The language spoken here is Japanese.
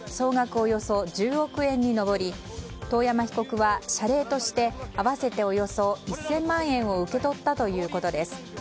およそ１０億円に上り遠山被告は、謝礼として合わせておよそ１０００万円を受け取ったということです。